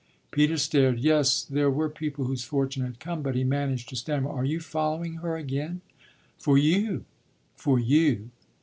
Peter stared. Yes, there were people whose fortune had come; but he managed to stammer: "Are you following her again?" "For you for you!"